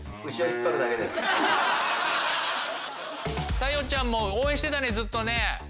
桜代ちゃんも応援してたねずっとね。